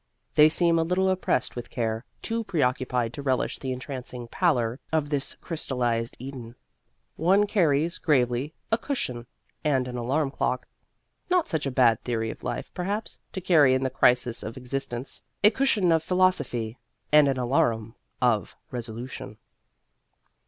They seem a little oppressed with care, too preoccupied to relish the entrancing pallor of this crystallized Eden. One carries, gravely, a cushion and an alarm clock. Not such a bad theory of life, perhaps to carry in the crises of existence a cushion of philosophy and an alarum of resolution.